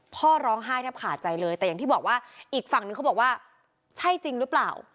พ่อร้องไห้แทบขาดใจเลยแต่อย่างที่บอกว่าอีกฝั่งนึงเขาบอกว่าใช่จริงหรือเปล่า